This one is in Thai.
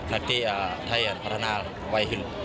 เราพัฒนาไว้ขึ้น